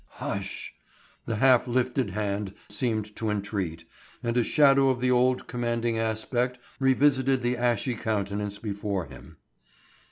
"Hush!" the half lifted hand seemed to entreat and a shadow of the old commanding aspect revisited the ashy countenance before him.